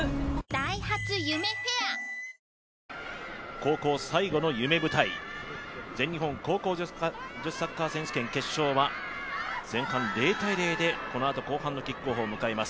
高校最後の夢舞台、全日本高校女子サッカー選手権決勝は前半０−０でこのあと後半のキックオフを迎えます。